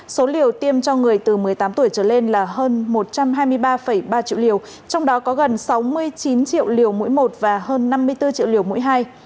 số liều tiêm cho người từ một mươi tám tuổi trở lên là hơn một trăm hai mươi ba ba triệu liều trong đó có gần sáu mươi chín triệu liều mỗi một và hơn năm mươi bốn triệu liều mỗi hai